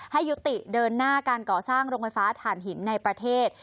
ให้ยุติเดินหน้าการก่อสร้างโรงไฟฟ้าฐานหินในประเทศ